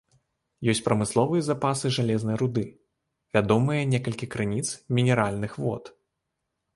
Ёсць прамысловыя запасы жалезнай руды, вядомыя некалькі крыніц мінеральных вод.